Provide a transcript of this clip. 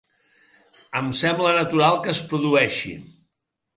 Em sembla natural que es produeixi.